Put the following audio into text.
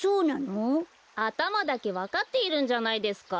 あたまだけわかっているんじゃないですか？